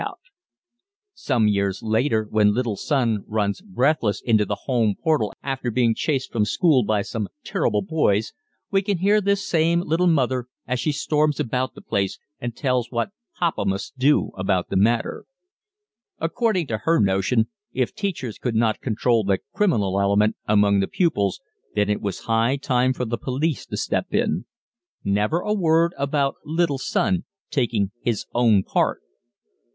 [Illustration: Bungalowing in California] Some years later when little son runs breathless into the home portal after being chased from school by some "turrible" boys we can hear this same little mother as she storms about the place and tells what "papa must do" about the matter. According to her notion, if teachers could not control the "criminal element" among their pupils then it was high time for the police to step in. Never a word about little son taking his own part!